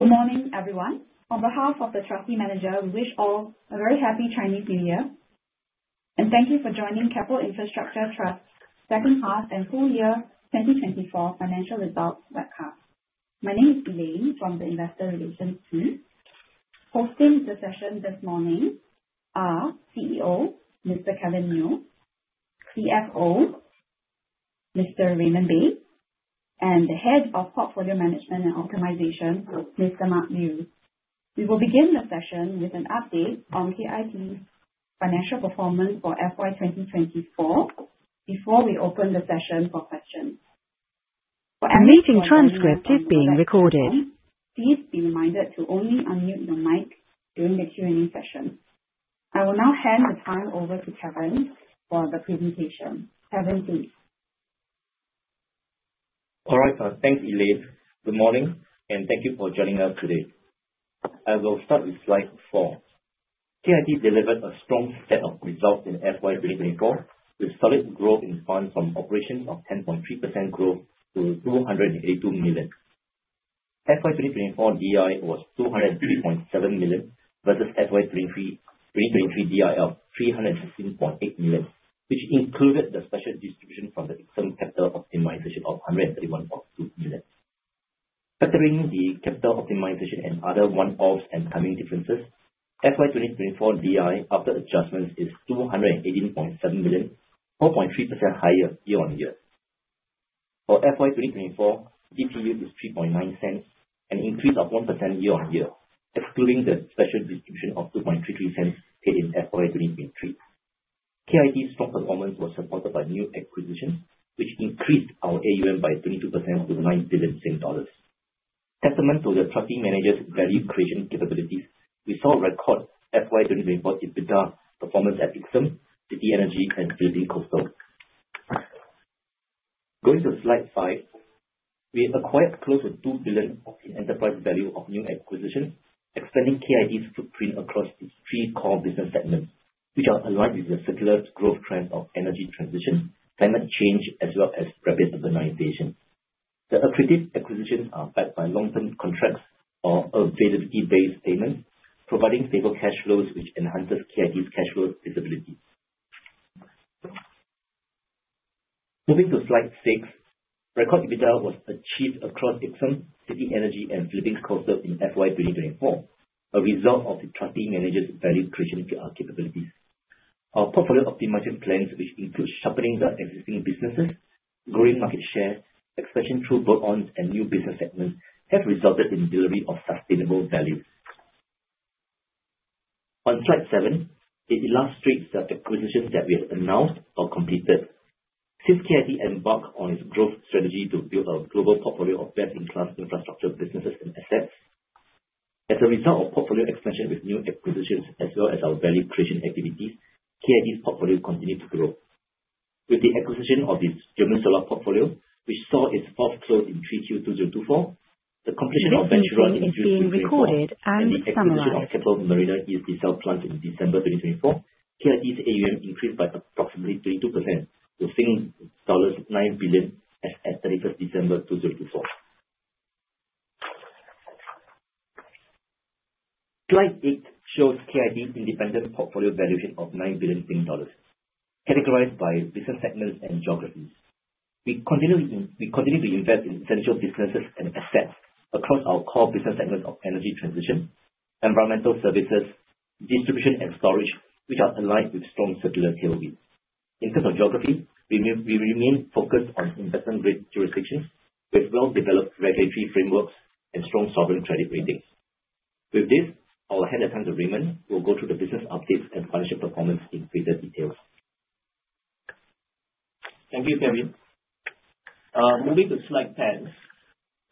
Good morning, everyone. On behalf of the trustee manager, we wish all a very happy Chinese New Year, and thank you for joining Keppel Infrastructure Trust's second half and full year 2024 financial results webcast. My name is Elaine from the investor relations team. Hosting the session this morning are CEO, Mr. Kevin Neo, CFO, Mr. Raymond Bay, and Director, Portfolio Management, Keppel Infrastructure Trust, Mr. Tan Jun Da. We will begin the session with an update on KIT's financial performance for FY 2024 before we open the session for questions. The meeting transcript is being recorded. Please be reminded to only unmute your mic during the Q&A session. I will now hand the time over to Kevin for the presentation. Kevin, please. All right. Thanks, Elaine. Good morning, and thank you for joining us today. I will start with slide 4. KIT delivered a strong set of results in FY 2024, with solid growth in FFO of 10.3% growth to 282 million. FY 2024 DI was 203.7 million versus FY 2023 DI of 316.8 million, which included the special distribution from the external capital optimization of 131.2 million. Factoring the capital optimization and other one-offs and timing differences, FY 2024 DI after adjustments is 218.7 million, 4.3% higher year-on-year. For FY 2024, DPU is 0.039, an increase of 1% year-on-year, excluding the special distribution of 0.0233 paid in FY 2023. KIT's stock performance was supported by new acquisitions, which increased our AUM by 22% to 9 billion dollars. Testament to the trustee manager's value creation capabilities, we saw record FY 2024 EBITDA performance at Ixom, City Energy, and Philippine Coastal. Going to slide 5. We acquired close to 2 billion in enterprise value of new acquisitions, expanding KIT's footprint across its 3 core business segments, which are aligned with the secular growth trend of energy transition, climate change, as well as rapid urbanization. The accretive acquisitions are backed by long-term contracts or availability-based payments, providing stable cash flows, which enhances KIT's cash flow visibility. Moving to slide 6. Record EBITDA was achieved across Ixom, City Energy, and Philippine Coastal in FY 2024, a result of the trustee manager's value creation capabilities. Our portfolio optimization plans, which include sharpening the existing businesses, growing market share, expansion through bolt-ons and new business segments, have resulted in delivery of sustainable value. On slide 7, it illustrates the acquisitions that we have announced or completed since KIT embarked on its growth strategy to build a global portfolio of best-in-class infrastructure businesses and assets. As a result of portfolio expansion with new acquisitions as well as our value creation activities, KIT's portfolio continued to grow. With the acquisition of its German Solar Portfolio, which saw its first close in 3Q 2024. The meeting is being recorded and summarized. The acquisition of Keppel Marina East Desalination Plant in December 2024, KIT's AUM increased by approximately 22% to SGD 9 billion as at 31st December 2024. Slide eight shows KIT's independent portfolio valuation of 9 billion dollars, categorized by business segments and geographies. We continue to invest in essential businesses and assets across our core business segments of energy transition, environmental services, distribution, and storage, which are aligned with strong secular tailwinds. In terms of geography, we remain focused on investment-grade jurisdictions with well-developed regulatory frameworks and strong sovereign credit ratings. With this, I'll hand it down to Raymond, who will go through the business updates and financial performance in greater detail. Thank you, Kevin. Moving to slide 10.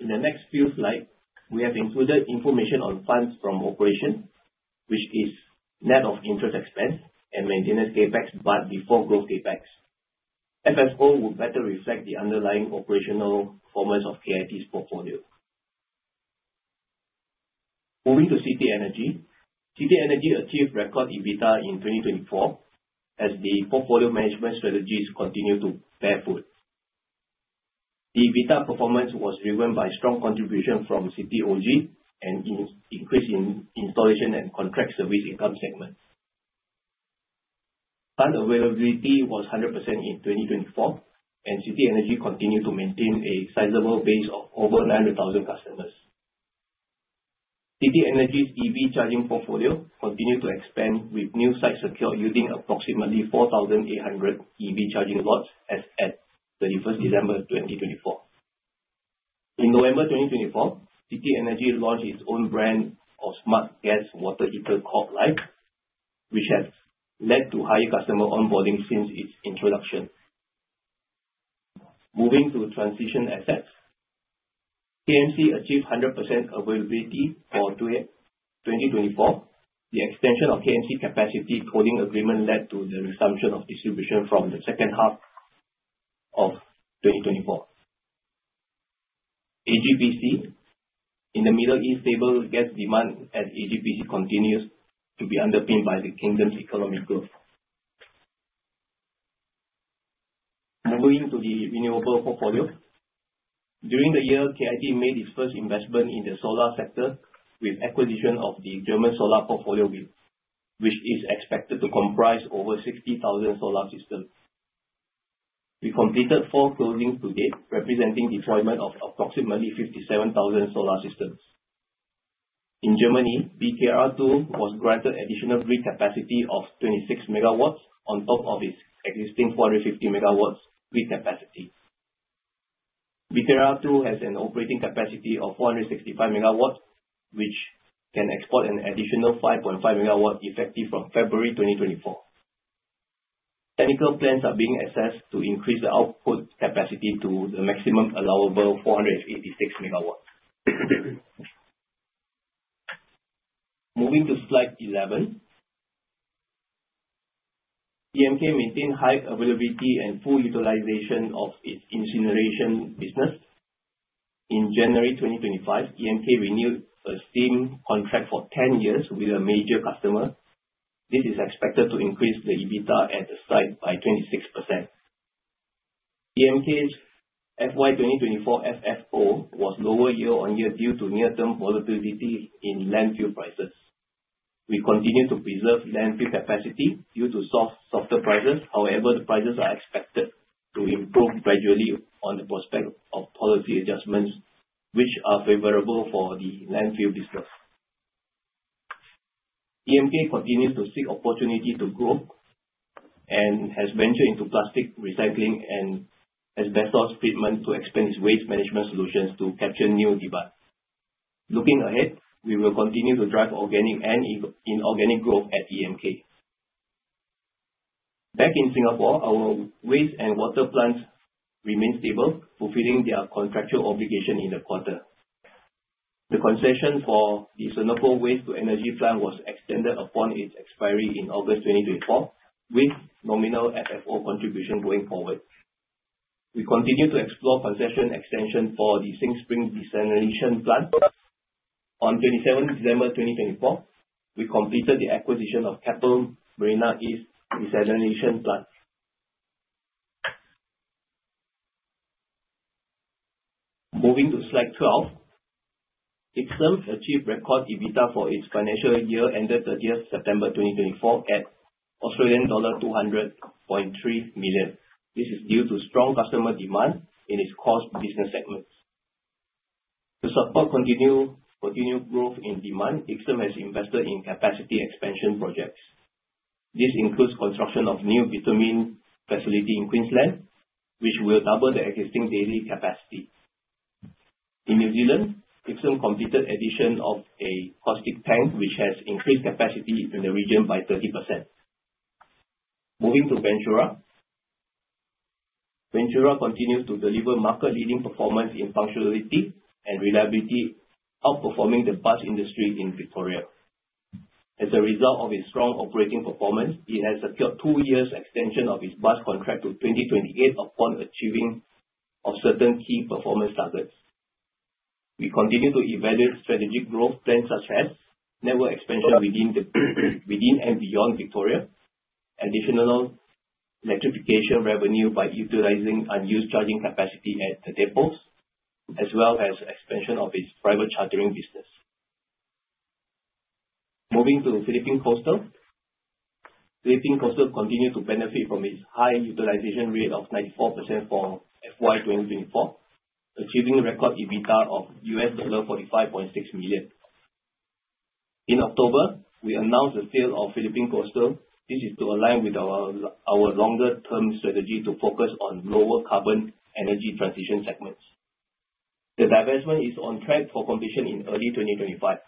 In the next few slides, we have included information on funds from operation, which is net of interest expense and maintenance CapEx, but before growth CapEx. FFO will better reflect the underlying operational performance of KIT's portfolio. Moving to City Energy. City Energy achieved record EBITDA in 2024 as the portfolio management strategies continue to bear fruit. The EBITDA performance was driven by strong contribution from City OG and an increase in installation and contract service income segment. Plant availability was 100% in 2024, and City Energy continued to maintain a sizable base of over 900,000 customers. City Energy's EV charging portfolio continued to expand with new sites secured using approximately 4,800 EV charging lots as at 31st December 2024. In November 2024, City Energy launched its own brand of smart gas water heater called Life, which has led to high customer onboarding since its introduction. Moving to transition assets. KMC achieved 100% availability for 2024. The extension of KMC Capacity Tolling Agreement led to the resumption of distribution from the second half of 2024. AGPC. In the Middle East, stable gas demand at AGPC continues to be underpinned by the kingdom's economic growth. Moving to the renewable portfolio. During the year, KIT made its first investment in the solar sector with acquisition of the German Solar Portfolio, which is expected to comprise over 60,000 solar systems. We completed four closings to date, representing deployment of approximately 57,000 solar systems. In Germany, Borkum Riffgrund 2 was granted additional grid capacity of 26 MW on top of its existing 450 MW grid capacity. BKR2 has an operating capacity of 465 megawatts, which can export an additional 5.5 megawatt effective from February 2024. Technical plans are being assessed to increase the output capacity to the maximum allowable 486 megawatts. Moving to slide 11. EMK maintained high availability and full utilization of its incineration business. In January 2025, EMK renewed a steam contract for 10 years with a major customer. This is expected to increase the EBITDA at the site by 26%. EMK's FY 2024 FFO was lower year-on-year due to near-term volatility in landfill prices. We continue to preserve landfill capacity due to softer prices. However, the prices are expected to improve gradually on the prospect of policy adjustments which are favorable for the landfill business. EMK continues to seek opportunity to grow and has ventured into plastic recycling and asbestos treatment to expand its waste management solutions to capture new EBITDA. Looking ahead, we will continue to drive organic and in-organic growth at EMK. Back in Singapore, our waste and water plants remain stable, fulfilling their contractual obligation in the quarter. The concession for the Singapore Waste-to-Energy Plant was extended upon its expiry in August 2024, with nominal FFO contribution going forward. We continue to explore concession extension for the SingSpring Desalination Plant. On December 27, 2024, we completed the acquisition of Keppel Marina East Desalination Plant. Moving to slide 12. Ixom achieved record EBITDA for its financial year ended September 30, 2024 at Australian dollar 200.3 million. This is due to strong customer demand in its core business segments. To support continued growth in demand, Ixom has invested in capacity expansion projects. This includes construction of new bitumen facility in Queensland, which will double the existing daily capacity. In New Zealand, Ixom completed addition of a caustic tank, which has increased capacity in the region by 30%. Moving to Ventura. Ventura continues to deliver market-leading performance in punctuality and reliability, outperforming the bus industry in Victoria. As a result of its strong operating performance, it has secured two years extension of its bus contract to 2028 upon achieving of certain key performance targets. We continue to evaluate strategic growth plans such as network expansion within and beyond Victoria, additional electrification revenue by utilizing unused charging capacity at the depots, as well as expansion of its private chartering business. Moving to Philippine Coastal. Philippine Coastal continued to benefit from its high utilization rate of 94% for FY 2024, achieving record EBITDA of $45.6 million. In October, we announced the sale of Philippine Coastal. This is to align with our longer-term strategy to focus on lower carbon energy transition segments. The divestment is on track for completion in early 2025.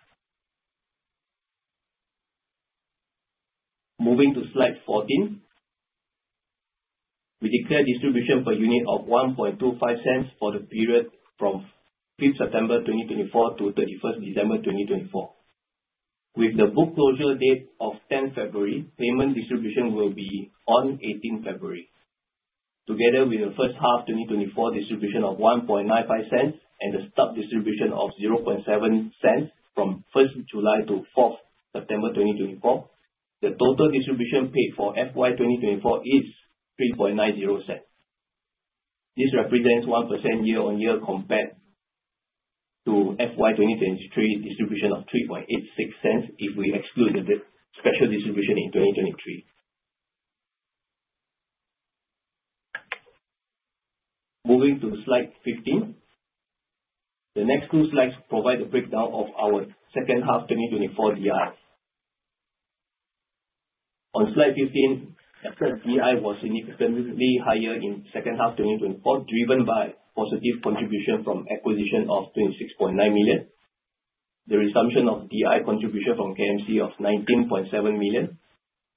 Moving to slide 14. We declare distribution per unit of 0.0125 for the period from 5th September 2024 to 31st December 2024. With the book closure date of 10th February, payment distribution will be on 18th February. Together with the first half 2024 distribution of 0.0195 and the stub distribution of 0.007 from 1st July to 4th September 2024, the total distribution paid for FY 2024 is 0.0390. This represents 1% year-on-year compared to FY 2023 distribution of 0.0386 if we exclude the DI-special distribution in 2023. Moving to slide 15. The next two slides provide a breakdown of our second half 2024 DI. On slide 15, asset DI was significantly higher in second half 2024, driven by positive contribution from acquisition of 26.9 million. The resumption of DI contribution from KMC of 19.7 million,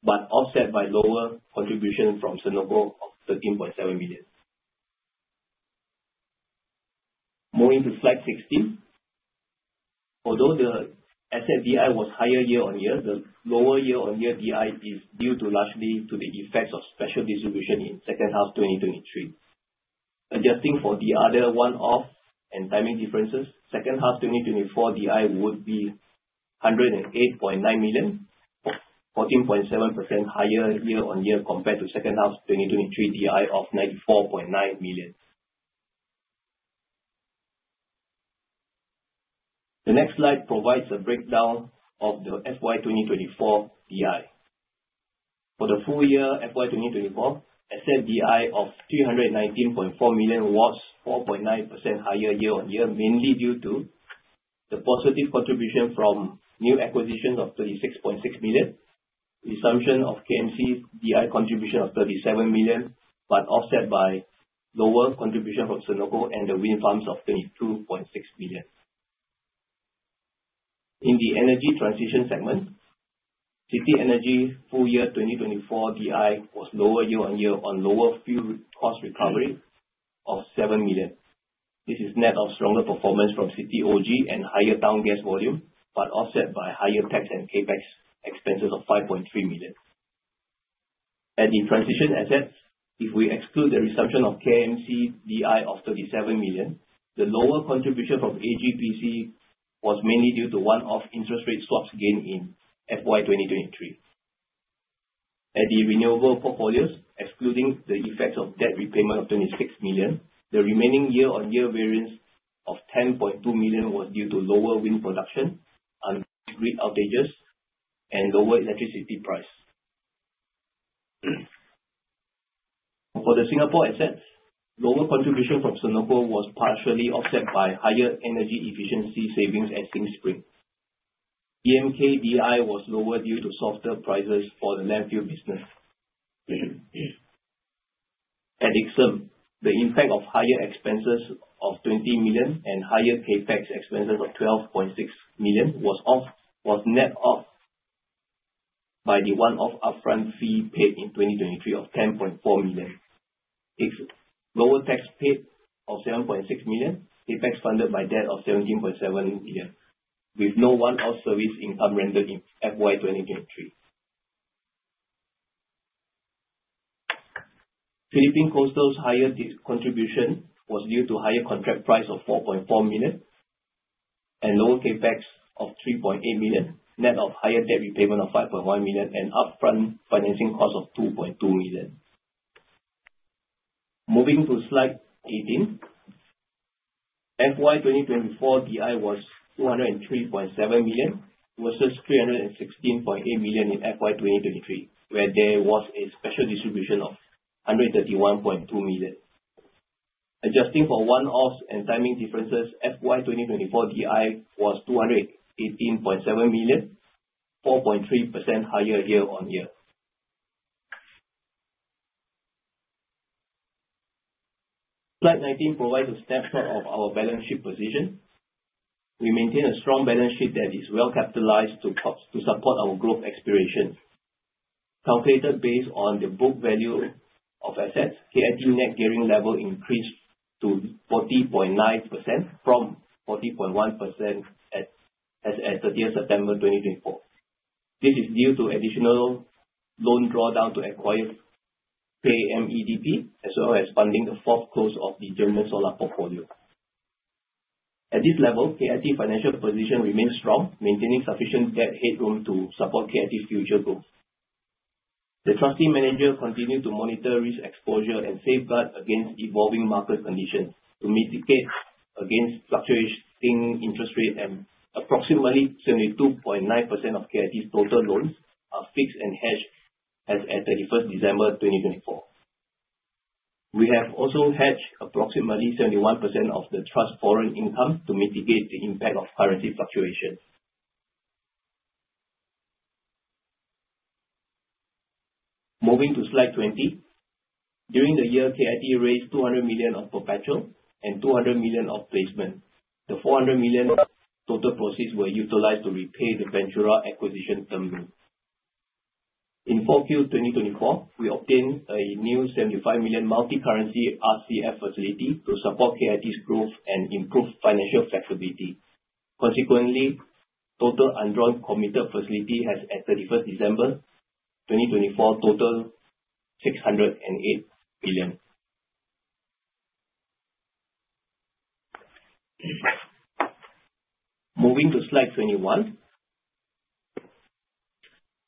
but offset by lower contribution from Singapore of 13.7 million. Moving to slide 16. Although the asset DI was higher year-on-year, the lower year-on-year DI is due largely to the effects of special distribution in second half 2023. Adjusting for the other one-off and timing differences, second half 2024 DI would be 108.9 million, 14.7% higher year-on-year compared to second half 2023 DI of 94.9 million. The next slide provides a breakdown of the FY 2024 DI. For the full year FY 2024, asset DI of 319.4 million was 4.9% higher year-on-year, mainly due to the positive contribution from new acquisitions of 36.6 million, resumption of KMC DI contribution of 37 million, but offset by lower contribution from Sembcorp and the wind farms of 22.6 million. In the energy transition segment, City Energy full year 2024 DI was lower year-on-year on lower fuel cost recovery of 7 million. This is net of stronger performance from City OG and higher town gas volume, but offset by higher tax and CapEx expenses of 5.3 million. At the transition assets, if we exclude the resumption of KMC DI of 37 million, the lower contribution from AGPC was mainly due to one-off interest rate swaps gain in FY 2023. At the renewable portfolios, excluding the effect of debt repayment of 26 million, the remaining year-on-year variance of 10.2 million was due to lower wind production, grid outages, and lower electricity price. For the Singapore assets, lower contribution from Sembcorp was partially offset by higher energy efficiency savings at SingSpring. EMK DI was lower due to softer prices for the landfill business. At Ixom, the impact of higher expenses of 20 million and higher CapEx expenses of 12.6 million was net off by the one-off upfront fee paid in 2023 of 10.4 million. Lower tax paid of 7.6 million, CapEx funded by debt of 17.7 million, with no one-off service income rendered in FY 2023. Philippine Coastal's higher DI contribution was due to higher contract price of 4.4 million and lower CapEx of 3.8 million, net of higher debt repayment of 5.1 million and upfront financing cost of 2.2 million. Moving to slide 18. FY 2024 DI was 203.7 million versus 316.8 million in FY 2023, where there was a special distribution of 131.2 million. Adjusting for one-offs and timing differences, FY 2024 DI was 218.7 million, 4.3% higher year-on-year. Slide 19 provides a snapshot of our balance sheet position. We maintain a strong balance sheet that is well-capitalized to support our growth aspirations. Calculated based on the book value of assets, KIT net gearing level increased to 40.9% from 40.1% as at 30 of September 2024. This is due to additional loan drawdown to acquire KMEDP, as well as funding the fourth close of the German Solar Portfolio. At this level, KIT financial position remains strong, maintaining sufficient debt headroom to support KIT's future growth. The trustee manager continues to monitor risk exposure and safeguard against evolving market conditions to mitigate against fluctuating interest rates and approximately 72.9% of KIT's total loans are fixed and hedged as at December 31, 2024. We have also hedged approximately 71% of the trust foreign income to mitigate the impact of currency fluctuations. Moving to slide 20. During the year, KIT raised 200 million of perpetual and 200 million of placement. The 400 million total proceeds were utilized to repay the Ventura acquisition term loan. In 4Q 2024, we obtained a new 75 million multicurrency RCF facility to support KIT's growth and improve financial flexibility. Consequently, total undrawn committed facility as at December 31, 2024 total SGD 608 million. Moving to slide 21.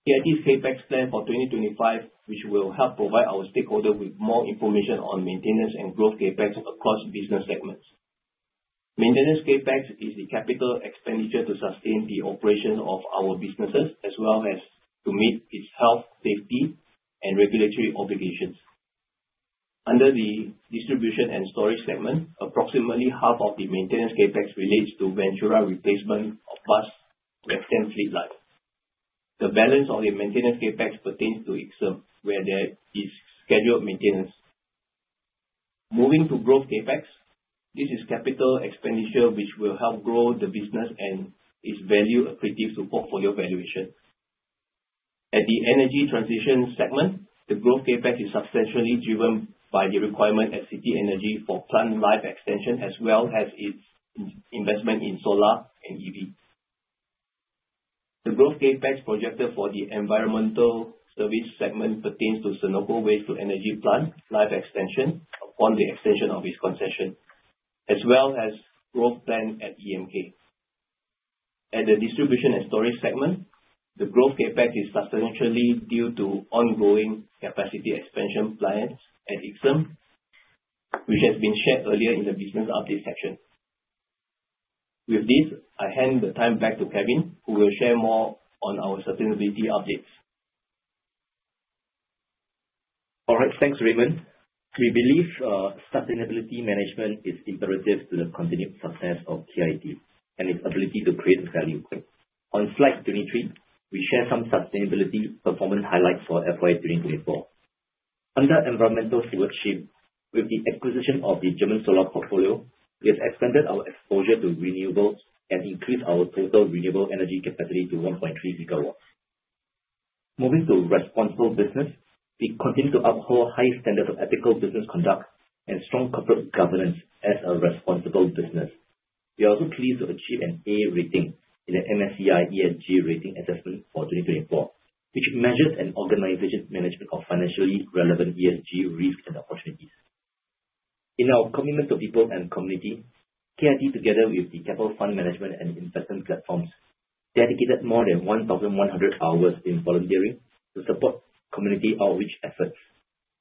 KIT's CapEx plan for 2025, which will help provide our stakeholder with more information on maintenance and growth CapEx across business segments. Maintenance CapEx is the capital expenditure to sustain the operation of our businesses as well as to meet its health, safety, and regulatory obligations. Under the distribution and storage segment, approximately half of the maintenance CapEx relates to Ventura replacement of bus to extend fleet life. The balance of the maintenance CapEx pertains to Ixom, where there is scheduled maintenance. Moving to growth CapEx, this is capital expenditure which will help grow the business and is value accretive to portfolio valuation. At the energy transition segment, the growth CapEx is substantially driven by the requirement at City Energy for plant life extension as well as its investment in solar and EV. The growth CapEx projected for the environmental service segment pertains to Senoko Waste-to-Energy plant life extension on the extension of its concession, as well as growth plan at EMK. At the distribution and storage segment, the growth CapEx is substantially due to ongoing capacity expansion plans at Ixom, which has been shared earlier in the business update section. With this, I hand the time back to Kevin, who will share more on our sustainability updates. All right. Thanks, Raymond. We believe sustainability management is imperative to the continued success of KIT and its ability to create value. On slide 23, we share some sustainability performance highlights for FY 2024. Under environmental stewardship, with the acquisition of the German Solar Portfolio, we have expanded our exposure to renewables and increased our total renewable energy capacity to 1.3 GW. Moving to responsible business, we continue to uphold high standards of ethical business conduct and strong corporate governance as a responsible business. We are also pleased to achieve an A rating in the MSCI ESG rating assessment for 2024, which measures an organization's management of financially relevant ESG risks and opportunities. In our commitment to people and community, KIT, together with the Keppel Fund Management and investment platforms, dedicated more than 1,100 hours in volunteering to support community outreach efforts.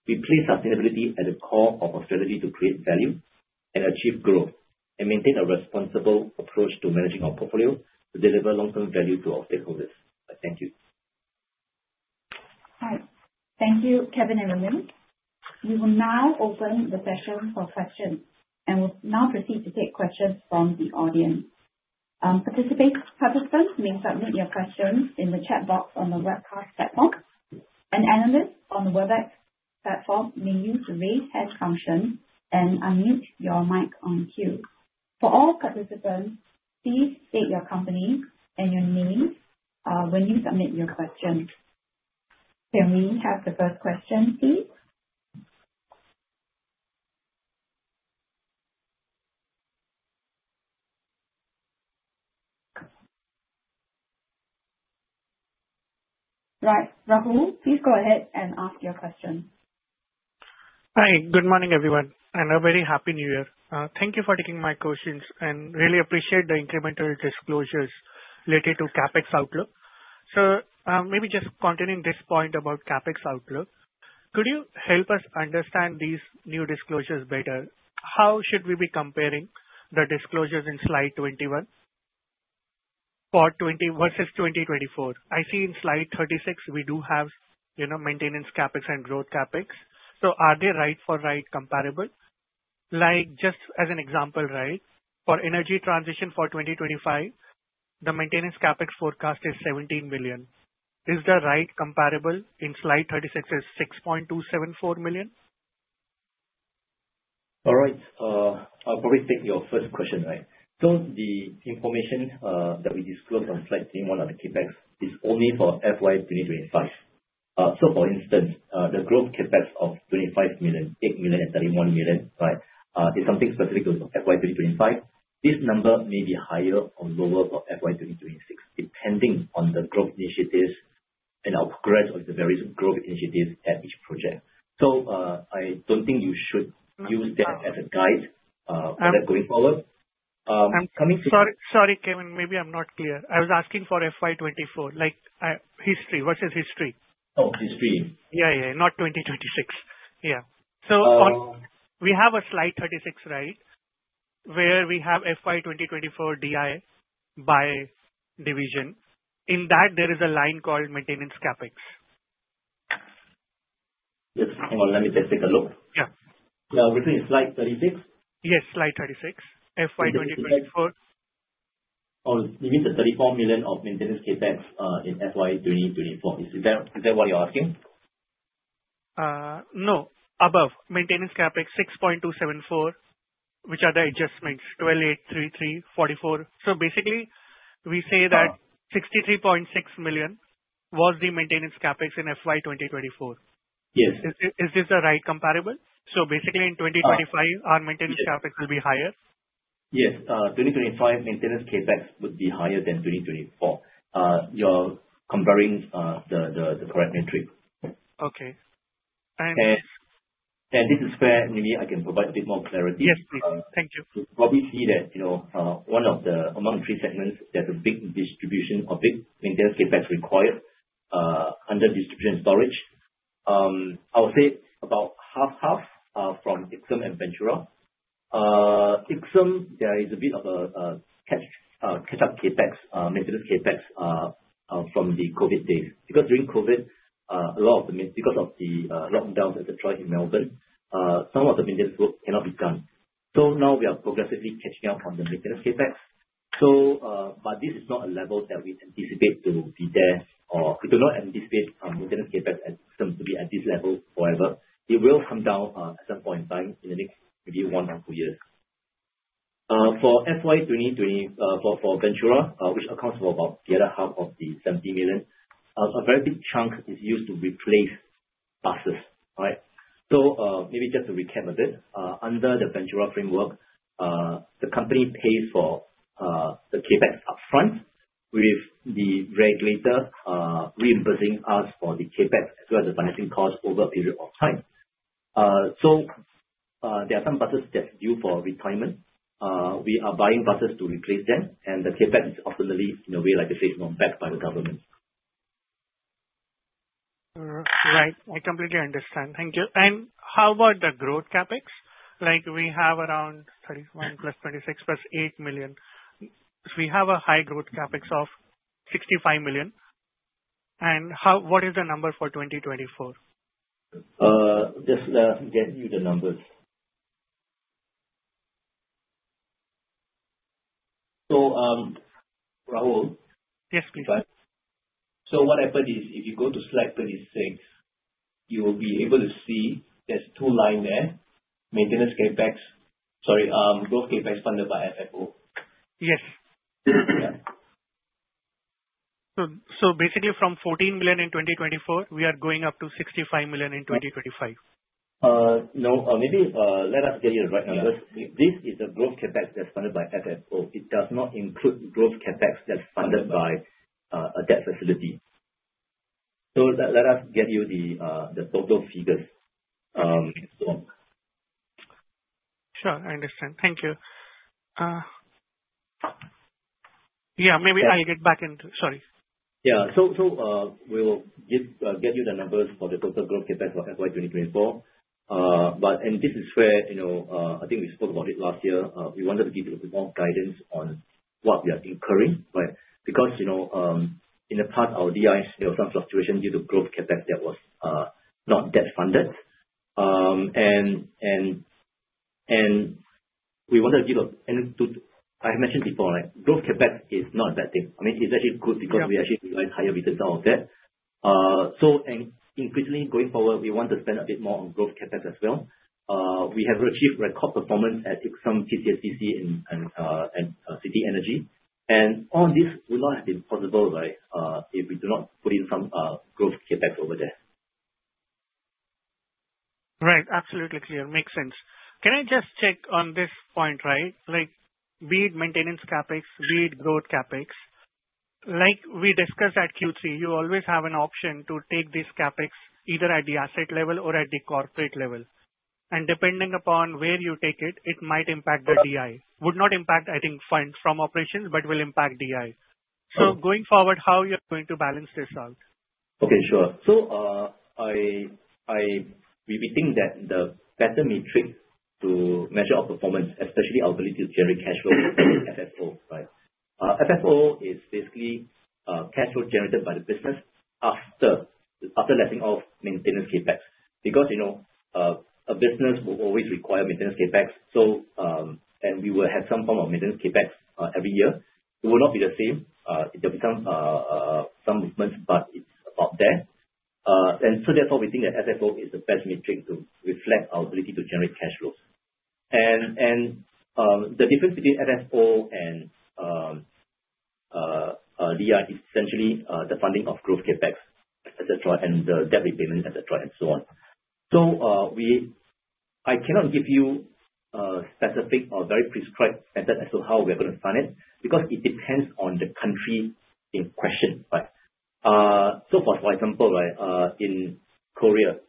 We place sustainability at the core of our strategy to create value and achieve growth and maintain a responsible approach to managing our portfolio to deliver long-term value to our stakeholders. Thank you. All right. Thank you, Kevin and Raymond. We will now open the session for questions and will now proceed to take questions from the audience. Participants may submit your questions in the chat box on the webcast platform, and analysts on the WebEx platform may use raise hand function and unmute your mic on queue. For all participants, please state your company and your name when you submit your question. Can we have the first question, please? Right. Rahul, please go ahead and ask your question. Hi. Good morning, everyone, and a very Happy New Year. Thank you for taking my questions and really appreciate the incremental disclosures related to CapEx outlook. Maybe just continuing this point about CapEx outlook, could you help us understand these new disclosures better? How should we be comparing the disclosures in slide 21 for 2020 versus 2024? I see in slide 36 we do have, you know, maintenance CapEx and growth CapEx. Are they right for right comparable? Just as an example, right, for energy transition for 2025, the maintenance CapEx forecast is 17 million. Is the right comparable in slide 36 is 6.274 million? All right. I'll probably take your first question, right. The information that we disclosed on slide 21 on the CapEx is only for FY 2025. The growth CapEx of 25 million, 8 million, and 31 million, right, is something specific to FY 2025. This number may be higher or lower for FY 2026, depending on the growth initiatives and our progress of the various growth initiatives at each project. I don't think you should use that as a guide for that going forward. Sorry, Kevin, maybe I am not clear. I was asking for FY 2024, like, history versus history. Oh, history. Yeah, yeah, not 2026. Yeah. Oh. We have a slide 36, right, where we have FY 2024 DI by division. In that, there is a line called maintenance CapEx. Yes. Hang on, let me just take a look. Yeah. Which is slide 36? Yes, slide 36. Okay. FY 2024. Oh, you mean the 34 million of maintenance CapEx, in FY 2024. Is that what you're asking? No. Above. Maintenance CapEx 6.274, which are the adjustments, 12,833,044. Basically, we say that. Uh- 63.6 million was the maintenance CapEx in FY 2024. Yes. Is this the right comparable? Basically, in twenty- Uh- 2025, our maintenance CapEx will be higher. Yes. 2025 maintenance CapEx would be higher than 2024. You're comparing the correct metric. Okay. Thanks. This is where maybe I can provide a bit more clarity. Yes, please. Thank you. You probably see that, you know, one of the three segments, there's a big distribution of it, maintenance CapEx required under distribution storage. I would say it's about half/half from Ixom and Ventura. Ixom, there is a bit of a catch-up CapEx, maintenance CapEx from the COVID days. Because during COVID, a lot of the because of the lockdowns, et cetera, in Melbourne, some of the maintenance work cannot be done. Now we are progressively catching up on the maintenance CapEx. This is not a level that we anticipate to be there or we do not anticipate our maintenance CapEx to be at this level forever. It will come down at some point in time in the next maybe one or two years. For FY 2020, for Ventura, which accounts for about the other half of the 70 million, a very big chunk is used to replace buses. All right. Maybe just to recap a bit, under the Ventura framework, the company pays for the CapEx upfront with the regulator, reimbursing us for the CapEx as well as the financing cost over a period of time. There are some buses that are due for retirement. We are buying buses to replace them, and the CapEx is ultimately, in a way, like I said, backed by the government. Right. I completely understand. Thank you. How about the growth CapEx? Like we have around +31 +26 8 million. We have a high growth CapEx of 65 million. What is the number for 2024? Just let get you the numbers. Rahul. Yes, please. What happens is, if you go to slide 36, you will be able to see there's two lines there, growth CapEx funded by FFO. Yes. Yeah. Basically from 14 million in 2024, we are going up to 65 million in 2025. No. Maybe, let us get you the right numbers. This is the growth CapEx that's funded by FFO. It does not include growth CapEx that's funded by a debt facility. Let us get you the total figures, so on. Sure, I understand. Thank you. We'll get you the numbers for the total growth CapEx for FY 2024. This is where, you know, I think we spoke about it last year. We wanted to give a bit more guidance on what we are incurring, right? Because, you know, in the past, our DPUs, you know, some fluctuation due to growth CapEx that was not debt-funded. We want to give a I mentioned before, like growth CapEx is not a bad thing. I mean, it's actually good. Yeah. Because we actually derive higher returns out of that. Increasingly going forward, we want to spend a bit more on growth CapEx as well. We have achieved record performance at Ixom, PGPC and City Energy. All this would not have been possible, right, if we do not put in some growth CapEx over there. Right. Absolutely clear. Makes sense. Can I just check on this point, right? Like be it maintenance CapEx, be it growth CapEx, like we discussed at Q3, you always have an option to take this CapEx either at the asset level or at the corporate level. Depending upon where you take it might impact the DI. Would not impact, I think, fund from operations, but will impact DI. Sure. Going forward, how you're going to balance this out? Okay, sure. We think that the better metric to measure our performance, especially our ability to generate cash flow, FFO, right? FFO is basically cash flow generated by the business after letting off maintenance CapEx because, you know, a business will always require maintenance CapEx. We will have some form of maintenance CapEx every year. It will not be the same. There'll be some movements, but it's about there. Therefore, we think that FFO is the best metric to reflect our ability to generate cash flows. The difference between FFO and DI is essentially the funding of growth CapEx, et cetera, and the debt repayment, et cetera, and so on. I cannot give you specific or very prescribed methods as to how we're going to fund it because it depends on the country in question, right? For example, in Korea,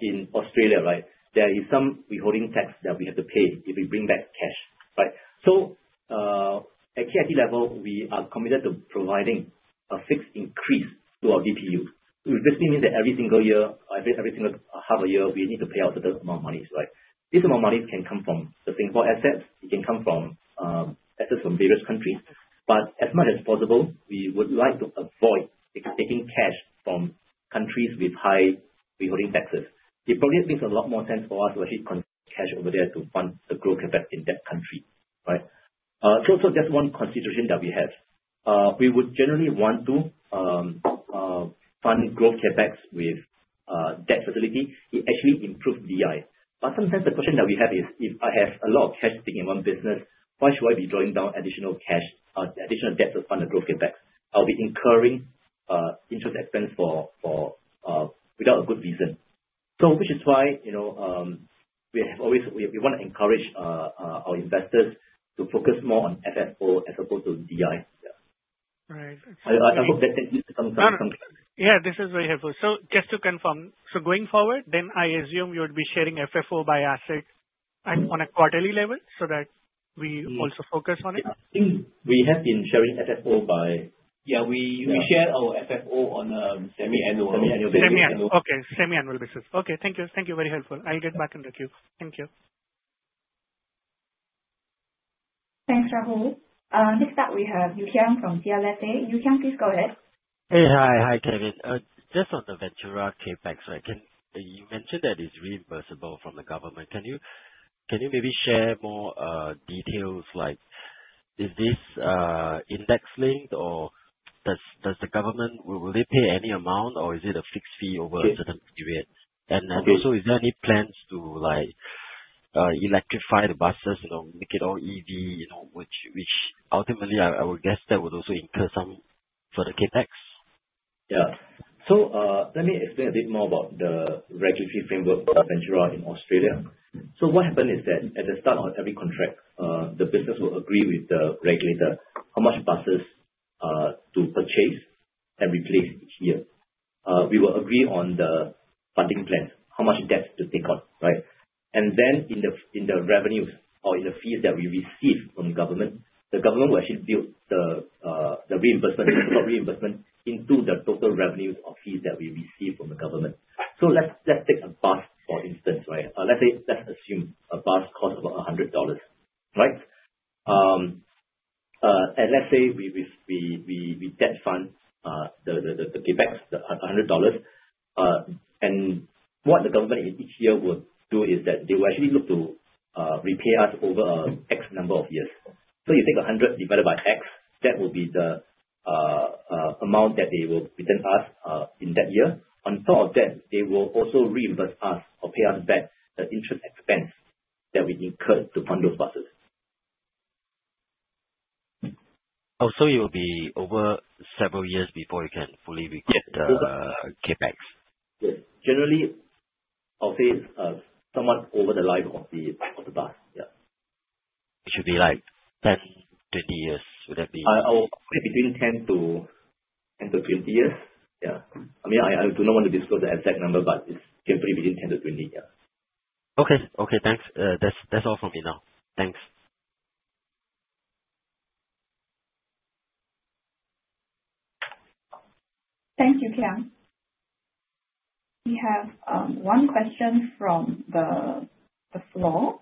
in Australia, there is some withholding tax that we have to pay if we bring back cash, right? At KIT level, we are committed to providing a fixed increase to our DPU, which basically means that every single year, I guess every single half a year, we need to pay out a certain amount of money, right? This amount of money can come from the Singapore assets, it can come from assets from various countries. As much as possible, we would like to avoid taking cash from countries with high withholding taxes. It probably makes a lot more sense for us to actually consume cash over there to fund the growth CapEx in that country, right? That's one consideration that we have. We would generally want to fund growth CapEx with debt facility. It actually improves DI. Sometimes the question that we have is, if I have a lot of cash sitting in one business, why should I be drawing down additional cash, additional debt to fund the growth CapEx? I'll be incurring interest expense for without a good reason. Which is why, you know, we want to encourage our investors to focus more on FFO as opposed to DI. Yeah. Right. I hope that gives some. No, no. Yeah, this is very helpful. Just to confirm, so going forward then, I assume you would be sharing FFO by asset and on a quarterly level so that we also focus on it. Yeah. I think we have been sharing FFO. Yeah. We share our FFO on a semi-annual basis. Semi-annual basis. Semi-annual. Okay. Semi-annual basis. Okay. Thank you. Thank you. Very helpful. I'll get back in the queue. Thank you. Thanks, Rahul. Next up we have Yu Kiang from CLSA. Yew Kiang, please go ahead. Hey. Hi. Hi, Kevin. Just on the Ventura CapEx, right? You mentioned that it is reimbursable from the government. Can you maybe share more details, like is this index-linked or Will they pay any amount or is it a fixed fee over a certain period? Okay. Is there any plans to electrify the buses, you know, make it all EV, you know, which ultimately I would guess that would also incur some further CapEx. Yeah. Let me explain a bit more about the regulatory framework for Ventura in Australia. What happen is that at the start of every contract, the business will agree with the regulator how much buses to purchase and replace each year. We will agree on the funding plan, how much debt to take on, right? In the, in the revenues or in the fees that we receive from government, the government will actually build the reimbursement into the total revenues or fees that we receive from the government. Let's take a bus, for instance, right? Let's say let's assume a bus costs about $100, right? Let's say we debt fund the CapEx, the $100. What the government in each year would do is that they will actually look to repay us over X number of years. You take $100 divided by X, that will be the amount that they will return to us in that year. On top of that, they will also reimburse us or pay us back the interest expense that we incurred to fund those buses. It will be over several years before you can fully recoup. Exactly. CapEx. Yes. Generally, I'll say, somewhat over the life of the bus. Yeah. It should be like 10, 20 years. Would that be? I would say between 10 to 20 years. Yeah. I mean, I do not want to disclose the exact number, but it's generally between 10 to 20, yeah. Okay. Okay, thanks. That's all from me now. Thanks. Thank you, Kiang. We have one question from the floor.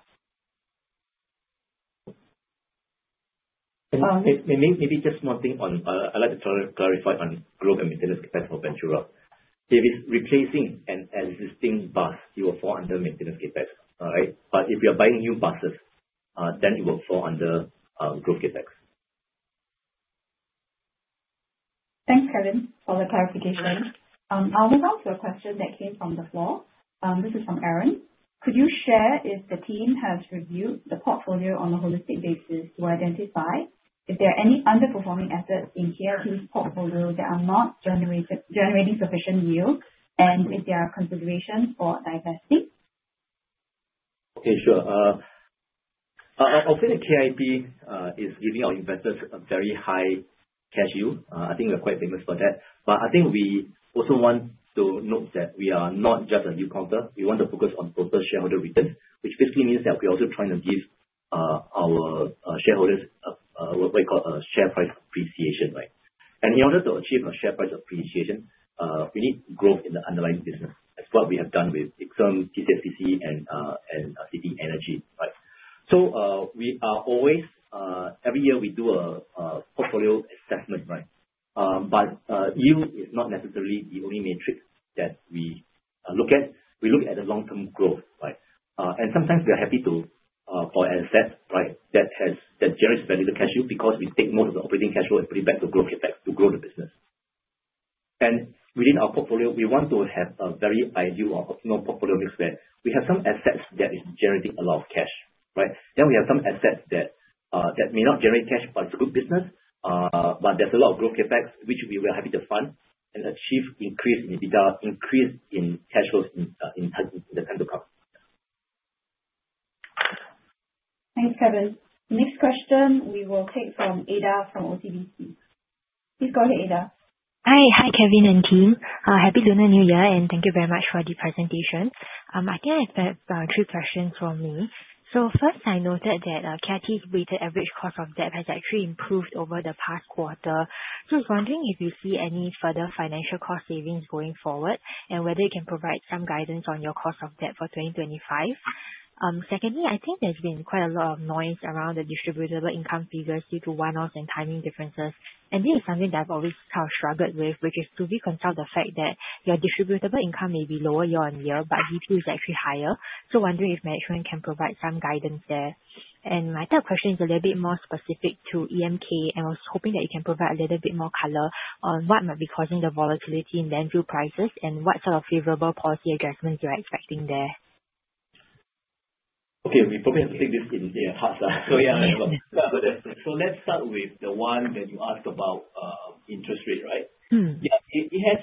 Maybe just one thing on, I'd like to clarify on growth and maintenance CapEx for Ventura. If it's replacing an existing bus, it will fall under maintenance CapEx. All right? If you're buying new buses, then it will fall under growth CapEx. Thanks, Kevin, for the clarification. I'll move on to a question that came from the floor. This is from Aaron. Could you share if the team has reviewed the portfolio on a holistic basis to identify if there are any underperforming assets in KIT's portfolio that are not generating sufficient yield, and if there are considerations for divesting? Okay, sure. I would say that KIT is giving our investors a very high cash yield. I think we're quite famous for that. I think we also want to note that we are not just a yield counter. We want to focus on total shareholder returns, which basically means that we're also trying to give our shareholders a what we call a share price appreciation. In order to achieve a share price appreciation, we need growth in the underlying business. That's what we have done with Ixom, PCSPC and City Energy. We are always every year we do a portfolio assessment. Yield is not necessarily the only metric that we look at. We look at the long-term growth. Sometimes we are happy to for an asset, right, that has, that generates better the cash yield because we take most of the operating cash flow and put it back to growth CapEx to grow the business. Within our portfolio, we want to have a very ideal or optimal portfolio mix where we have some assets that is generating a lot of cash, right? We have some assets that may not generate cash, but it's a good business. There's a lot of growth CapEx which we were happy to fund and achieve increase in EBITDA, increase in cash flows in the tender crop. Thanks, Kevin. Next question we will take from Ada from OCBC. Please go ahead, Ada. Hi, Kevin and team. Happy Lunar New Year, and thank you very much for the presentation. I think I have three questions from me. First, I noted that KIT's weighted average cost of debt has actually improved over the past quarter. I was wondering if you see any further financial cost savings going forward and whether you can provide some guidance on your cost of debt for 2025. Secondly, I think there's been quite a lot of noise around the distributable income figures due to one-offs and timing differences. This is something that I've always kind of struggled with, which is to reconcile the fact that your distributable income may be lower year-on-year, but DPU is actually higher. Wondering if management can provide some guidance there. My third question is a little bit more specific to EMK, and I was hoping that you can provide a little bit more color on what might be causing the volatility in landfill prices and what sort of favorable policy adjustments you are expecting there. Okay. We probably have to take this in stages. Yeah, let's start with it. Let's start with the one that you asked about, interest rate, right? Yeah. It has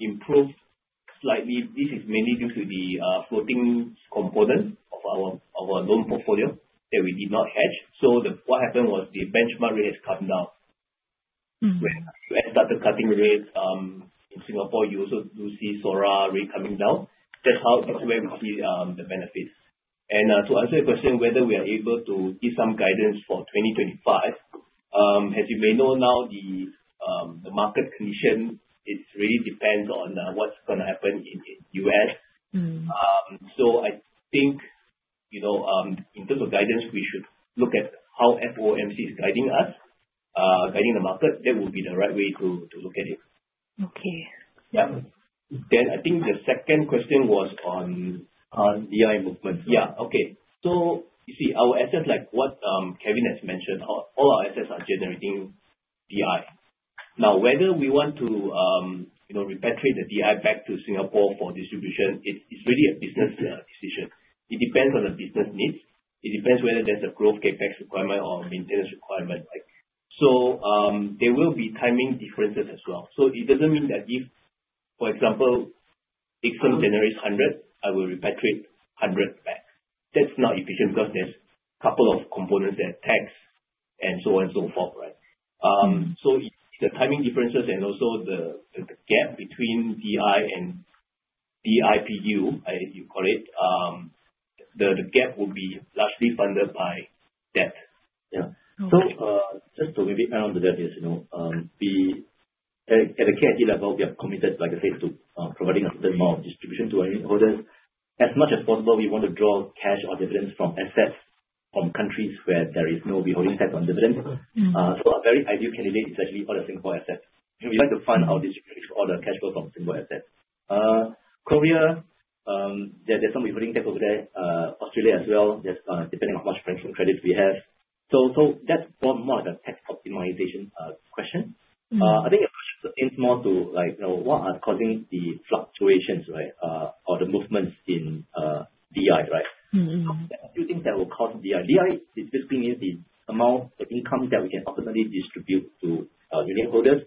improved slightly. This is mainly due to the floating component of our loan portfolio that we did not hedge. What happened was the benchmark rate has come down. When Federal started cutting rates in Singapore, you also do see SORA rate coming down. That's how, that's where we see the benefits. To answer your question whether we are able to give some guidance for 2025, as you may know now, the market condition, it really depends on what's gonna happen in U.S. I think, you know, in terms of guidance, we should look at how FOMC is guiding us, guiding the market. That would be the right way to look at it. Okay. Yeah. I think the second question was on. On DI movement. Okay. You see our assets, like what Kevin has mentioned, how all our assets are generating DI. Now, whether we want to, you know, repatriate the DI back to Singapore for distribution, it's really a business decision. It depends on the business needs. It depends whether there's a growth CapEx requirement or a maintenance requirement, right? There will be timing differences as well. It doesn't mean that if, for example, it can generate 100, I will repatriate 100 back. That's not efficient because there's couple of components there, tax and so on and so forth, right? The timing differences and also the gap between DI and DIPU, I, you call it, the gap will be largely funded by debt. Yeah. Okay. Just to maybe add on to that is, you know, at a KIT level, we are committed, like I said, to providing a certain amount of distribution to our unit holders. As much as possible, we want to draw cash or dividends from assets from countries where there is no withholding tax on dividends. Mm-hmm. Mm. Our very ideal candidate is actually all the Singapore assets. We'd like to fund our distribution, all the cash flow from Singapore assets. Korea, there's some withholding tax over there. Australia as well. There's depending on how much franking credits we have. That's more of the tax optimization question. I think your question aims more to, like, you know, what are causing the fluctuations, right? The movements in DI, right? There are a few things that will cause DI. DI is basically the amount of income that we can ultimately distribute to unit holders.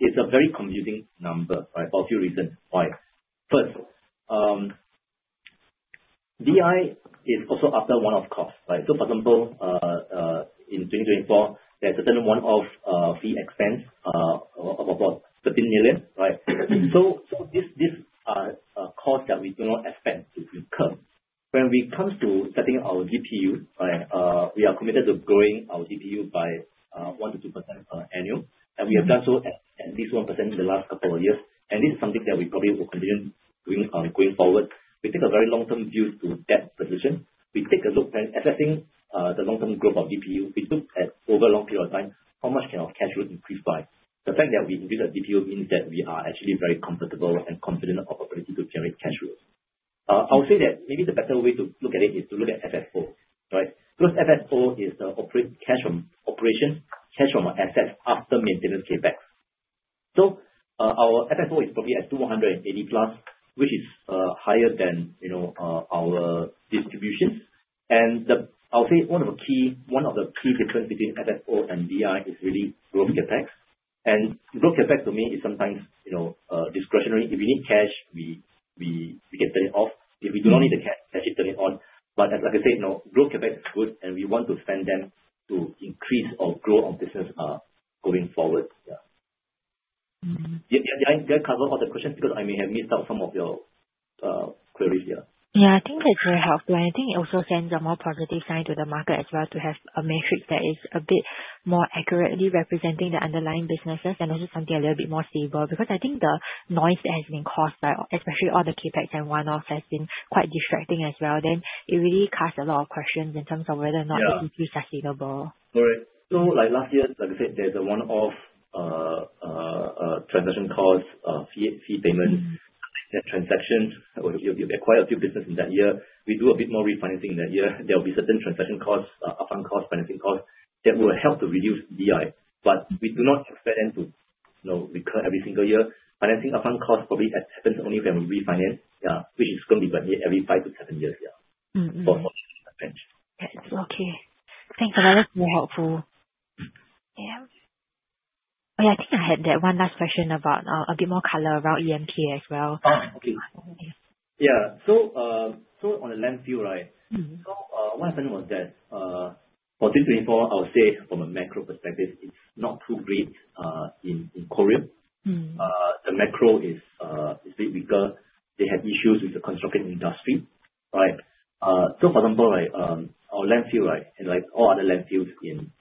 It's a very confusing number, right? For a few reasons why. First, DI is also after one-off cost, right? For example, in 2024, there are certain one-off fee expense of about 13 million, right? This cost that we do not expect to recur. When it comes to setting our DPU, right, we are committed to growing our DPU by 1%-2% annual. We have done so at least 1% in the last couple of years. This is something that we probably will continue doing going forward. We take a very long-term view to debt position. We take a look when assessing the long-term growth of DPU. We look at over a long period of time, how much can our cash flow increase by. The fact that we increase our DPU means that we are actually very comfortable and confident of our ability to generate cash flow. I would say that maybe the better way to look at it is to look at FFO, right? Because FFO is the cash from operation, cash from asset after maintenance CapEx. Our FFO is probably at 280+, which is higher than, you know, our distributions. I would say one of the key difference between FFO and DI is really growth CapEx. Growth CapEx to me is sometimes, you know, discretionary. If we need cash, we can turn it off. If we do not need the cash, we turn it on. As, like I said, you know, growth CapEx is good, and we want to spend them to increase our growth on business going forward. Did I cover all the questions? I may have missed out some of your queries here. Yeah, I think that's very helpful. I think it also sends a more positive sign to the market as well to have a metric that is a bit more accurately representing the underlying businesses and also something a little bit more stable, because I think the noise that has been caused by, especially all the CapEx and one-offs, has been quite distracting as well. It really caused a lot of questions in terms of whether or not. Yeah. it is sustainable. All right. like last year, like I said, there's a one-off, transaction cost, fee payment. That transaction, we acquired a few business in that year. We do a bit more refinancing in that year. There will be certain transaction costs, up-front costs, financing costs that will help to reduce DI, but we do not expect them to, you know, recur every single year. Financing up-front costs probably happens only when we refinance, yeah, which is gonna be like every 5-7 years, yeah. For the bench. Yes. Okay. Thanks a lot. That was more helpful. Yeah, I think I had that one last question about a bit more color around EMK as well. Oh, okay. Yes. Yeah. On the landfill, right? What happened was that, for 2024, I would say from a macro perspective, it's not too great, in Korea. The macro is a bit weaker. They have issues with the construction industry, right? For example, like our landfill, right, and like all other landfills in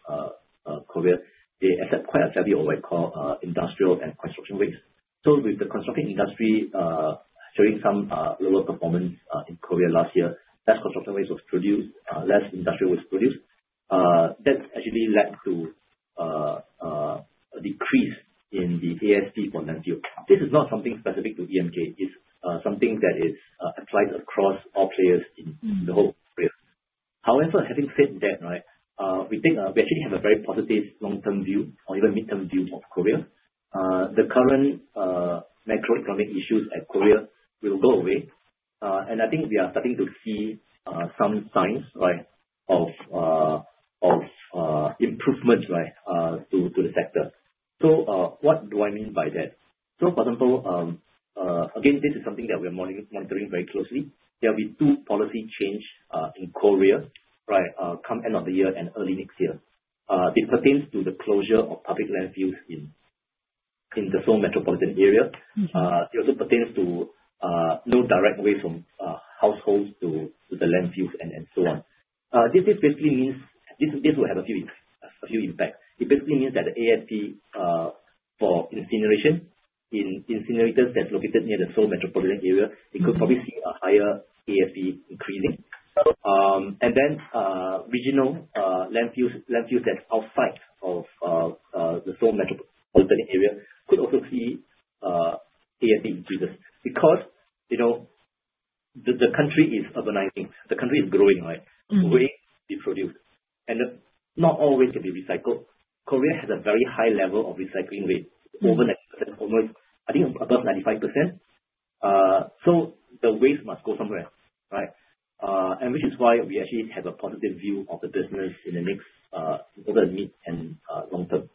Korea, they accept quite a heavy what we call industrial and construction waste. With the construction industry showing some lower performance in Korea last year, less construction waste was produced, less industrial waste produced. That actually led to a decrease in the ASP for landfill. This is not something specific to EMK. It's something that is applied across all players in- the whole space. However, having said that, we think we actually have a very positive long-term view or even midterm view of Korea. The current macroeconomic issues at Korea will go away. I think we are starting to see some signs of improvement to the sector. What do I mean by that? For example, again, this is something that we are monitoring very closely. There will be two policy changes in Korea come end of the year and early next year. This pertains to the closure of public landfills in the Seoul metropolitan area. It also pertains to no direct waste from households to the landfills and so on. This basically means this will have a few impacts. It basically means that the ASP for incineration in incinerators that's located near the Seoul metropolitan area, it could probably see a higher ASP increasing. Then regional landfills that's outside of the Seoul metropolitan area could also see ASP increases because, you know, the country is urbanizing, the country is growing, right? Waste is produced, and not all waste can be recycled. Korea has a very high level of recycling rate. Over 90%, almost, I think above 95%. The waste must go somewhere, right? Which is why we actually have a positive view of the business in the next, over the mid and long term.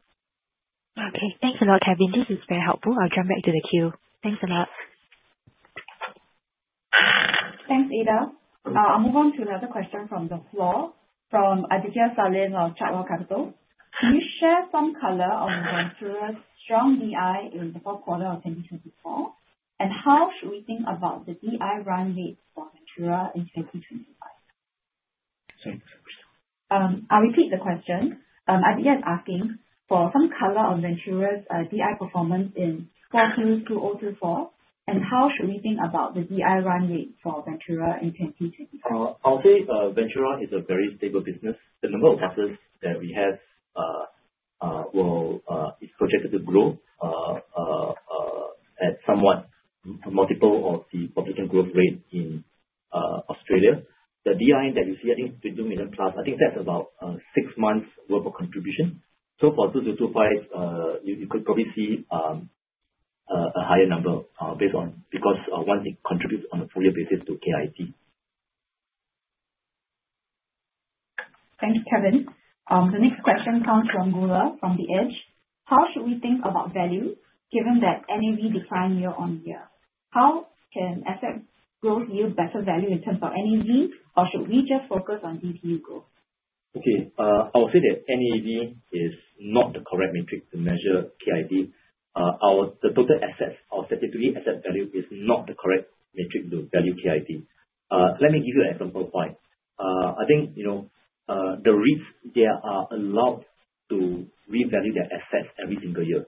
Okay, thanks a lot, Kevin. This is very helpful. I'll come back to the queue. Thanks a lot. Thanks, Ada. I'll move on to another question from the floor, from Aditya Salim of Chartwell Capital. Can you share some color on Ventura's strong DI in the fourth quarter of 2024, and how should we think about the DI run rate for Ventura in 2025? Sorry, I missed that. I'll repeat the question. Aditya's asking for some color on Ventura's DI performance in 4Q 2024, and how should we think about the DI run rate for Ventura in 2025? I'll say Ventura is a very stable business. The number of assets that we have will is projected to grow at somewhat multiple of the population growth rate in Australia. The DI that you see, I think SGD 50 million plus, I think that's about 6 months worth of contribution. For 2025, you could probably see a higher number because 1, it contributes on a full year basis to KIT. Thank you, Kevin. The next question comes from Goola from The Edge. How should we think about value given that NAV declined year-on-year? How can asset growth yield better value in terms of NAV, or should we just focus on DPU growth? I would say that NAV is not the correct metric to measure KIT. Our total assets, our statutory asset value is not the correct metric to value KIT. Let me give you an example point. I think, you know, the REITs, they are allowed to revalue their assets every single year.